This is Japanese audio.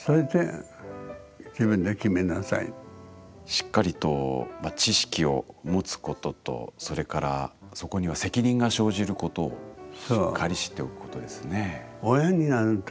しっかりと知識を持つこととそれからそこには責任が生じることをしっかり知っておくことですね。